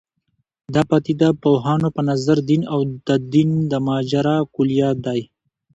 د پدیده پوهانو په نظر دین او تدین د ماجرا کُلیت دی.